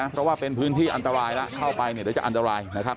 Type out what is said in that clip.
เพราะว่าเป็นพื้นที่อันตรายแล้วเข้าไปเนี่ยเดี๋ยวจะอันตรายนะครับ